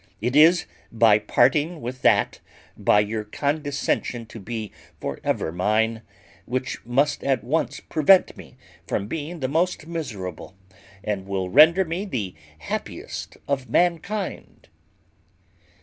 It is by parting with that, by your condescension to be for ever mine, which must at once prevent me from being the most miserable, and will render me the happiest of mankind."